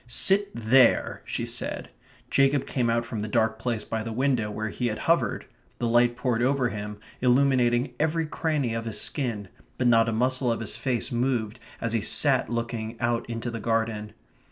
"Sit THERE," she said. Jacob came out from the dark place by the window where he had hovered. The light poured over him, illuminating every cranny of his skin; but not a muscle of his face moved as he sat looking out into the garden.